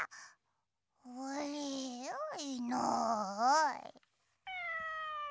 あれいない。